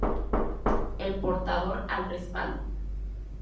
El portador al respaldo.